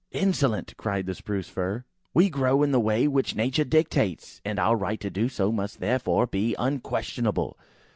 "Insolent!" cried the Spruce fir; "we grow in the way which Nature dictates; and our right to do so must therefore be unquestionable.